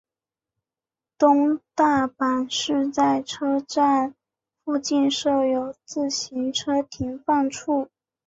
东大阪市在车站附近设有自行车停放处。